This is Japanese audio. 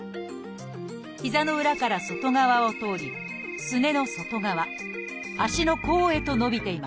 膝の裏から外側を通りすねの外側足の甲へと伸びています。